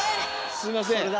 すいません！